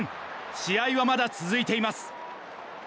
試合はまだ続いています。